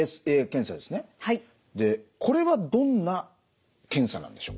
でこれはどんな検査なんでしょうか？